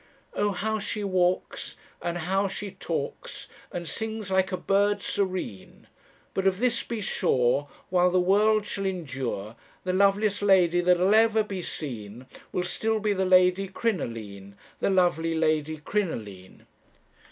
"'Oh, how she walks, And how she talks, And sings like a bird serene; But of this be sure While the world shall endure, The loveliest lady that'll ever be seen Will still be the Lady Crinoline, The lovely Lady Crinoline.